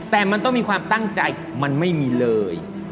แต่มันต้องมีความตั้งใจมันไม่มีเลย